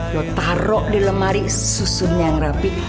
lo taruh di lemari susunnya yang rapi